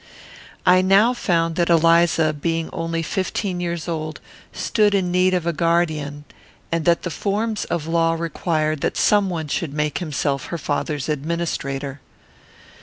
I now found that Eliza, being only fifteen years old, stood in need of a guardian, and that the forms of law required that some one should make himself her father's administrator.